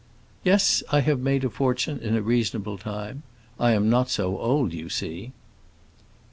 "Yes, I have made a fortune in a reasonable time. I am not so old, you see."